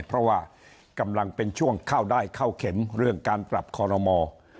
เพราะว่ากำลังเป็นช่วงเข้าได้เข้าเข็มเรื่องการปรับคอรมอ